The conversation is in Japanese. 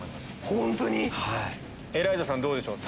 本当に⁉エライザさんどうでしょう？